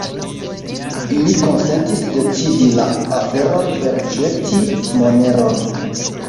Ili konsentis decidi la aferon per ĵeti moneron.